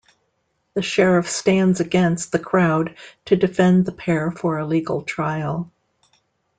The sheriff stands against the crowd to defend the pair for a legal trial.